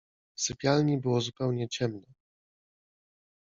W sypialni było zupełnie ciemno.